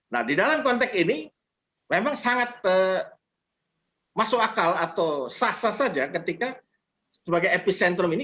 nah di dalam konteks ini memang sangat masuk akal atau sah sah saja ketika sebagai epicentrum ini